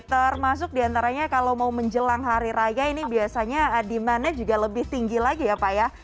termasuk diantaranya kalau mau menjelang hari raya ini biasanya demandnya juga lebih tinggi lagi ya pak ya